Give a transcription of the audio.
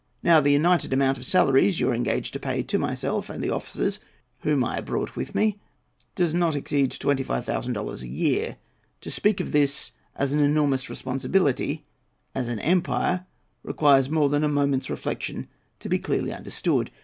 Now, the united amount of the salaries you are engaged to pay to myself and the officers whom I brought with me does not exceed 25,000 dollars a year. To speak of this as an "enormous responsibility" as an empire, requires more than a "moment's reflection" to be clearly understood.